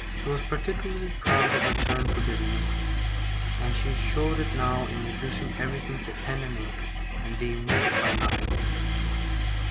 She was particularly proud of her turn for business; and she showed it now in reducing everything to pen and ink, and being moved by nothing.